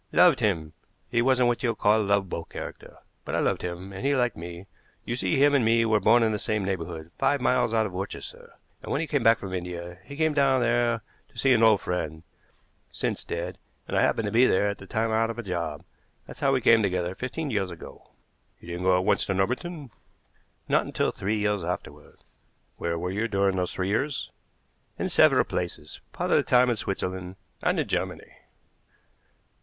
"Loved him. He wasn't what you would call a lovable character, but I loved him, and he liked me. You see, him and me were born in the same neighborhood, five miles out of Worcester; and when he came back from India he came down there to see an old friend, since dead, and I happened to be there at the time out of a job. That's how we came together fifteen years ago." "You didn't go at once to Norbiton?" "Not until three years afterward." "Where were you during those three years?" "In several places, part of the time in Switzerland, and in Germany."